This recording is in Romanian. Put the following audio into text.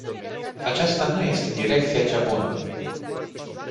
Aceasta nu este direcția cea bună.